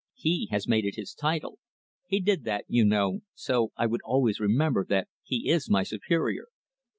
He has made it his title. He did that, you know, so I would always remember that he is my superior."